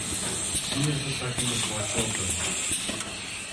He is the second of four children.